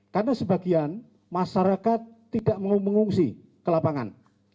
karena sebagian masyarakat tidak mau mengungsi ke lapangan